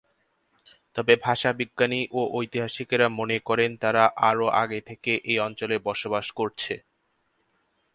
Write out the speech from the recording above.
তবে ভাষাবিজ্ঞানী ও ঐতিহাসিকেরা মনে করেন তারা আরও আগে থেকে এই অঞ্চলে বসবাস করছে।